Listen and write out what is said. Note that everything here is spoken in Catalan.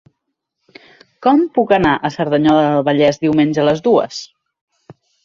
Com puc anar a Cerdanyola del Vallès diumenge a les dues?